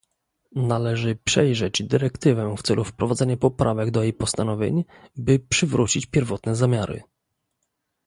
należy przejrzeć dyrektywę w celu wprowadzenia poprawek do jej postanowień, by przywrócić pierwotne zamiary